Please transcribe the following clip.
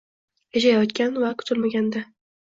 yashayotgan va kutilmaganda